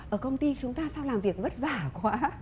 ở công ty chúng ta sau làm việc vất vả quá